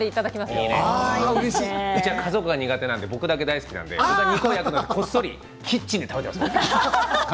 うちは家族が苦手なので僕は好きなのでこっそりキッチンで食べています。